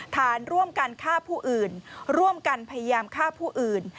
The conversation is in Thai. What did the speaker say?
ฐานร่วมกันฆ่าผู้อื่นร่วมกันพยายามฆ่าผู้อื่น